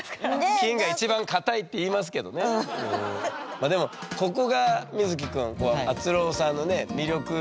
まあでもここが瑞稀くんあつろーさんのね魅力の。